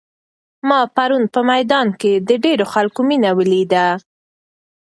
ما پرون په میدان کې د ډېرو خلکو مینه ولیده.